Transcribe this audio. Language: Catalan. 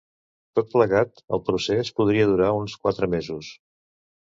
Tot plegat, el procés podria durar uns quatre mesos.